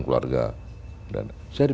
keluarga saya di